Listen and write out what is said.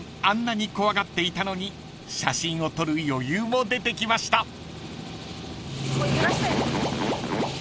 あんなに怖がっていたのに写真を撮る余裕も出てきました］